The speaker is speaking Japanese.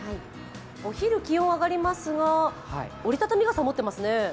お昼、気温上がりますが、折りたたみ傘持っていますね。